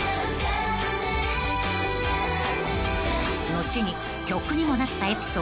［後に曲にもなったエピソード］